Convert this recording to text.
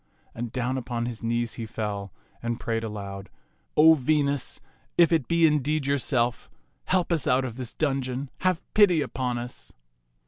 And down upon his knees he fell, and prayed aloud, " O Venus, if it be indeed yourself, help us out of this dungeon. Have pity upon us